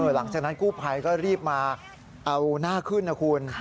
หลังจากนั้นกู้ภัยก็รีบมาเอาหน้าขึ้นนะคุณ